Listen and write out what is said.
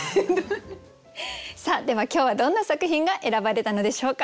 では今日はどんな作品が選ばれたのでしょうか？